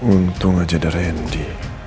untung aja ada randy